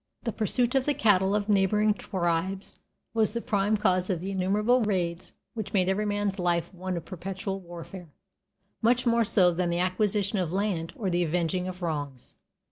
The pursuit of the cattle of neighboring tribes was the prime cause of the innumerable raids which made every man's life one of perpetual warfare, much more so than the acquisition of land or the avenging of wrongs.